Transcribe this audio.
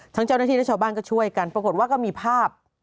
เจ้าหน้าที่และชาวบ้านก็ช่วยกันปรากฏว่าก็มีภาพ